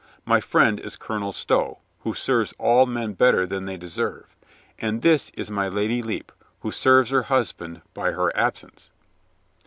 My friend is Colonel Stow, who serves all men better than they deserve. And this is my Lady Lepe, who serves her husband by her absence."